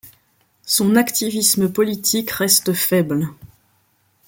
Son activisme politique reste faible.